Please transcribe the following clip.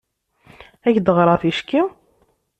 Ad ak-d-ɣreɣ ticki?